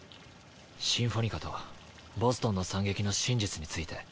シンフォニカとボストンの惨劇の真実について。